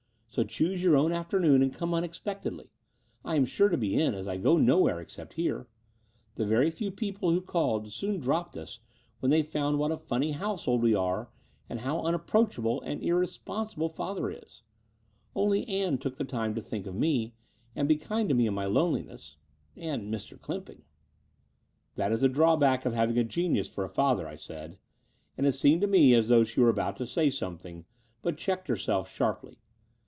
So choose your own afternoon, and come unexpectedly. I am sure to be in, as I go nowhere except here. The very few people who called soon dropped us when they f otmd what a f tmny household we are and how unapproachable and irresponsible father is. Only Ann took the trouble to think of me, and be kind to me in my loneliness — ^and Mr. Clymping." "That is the drawback of having a genius for a father," I said; and it seemed to me as though she were about to say something, but checked herself sharply.